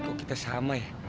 kok kita sama ya